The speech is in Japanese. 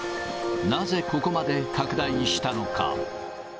なぜここまで拡大したのか。